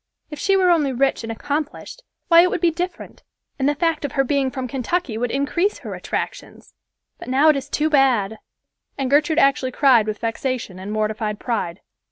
If she were only rich and accomplished, why, it would be different, and the fact of her being from Kentucky would increase her attractions. But now it is too bad!" And Gertrude actually cried with vexation and mortified pride.